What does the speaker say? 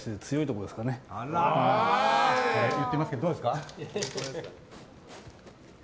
こう言ってますけどどうですか？